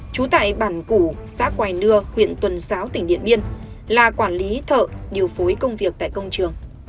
trú tại bản củ xã quài nưa huyện tuần giáo tỉnh điện biên là quản lý thợ điều phối công việc tại công trường